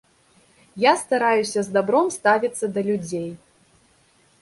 Я стараюся з дабром ставіцца да людзей.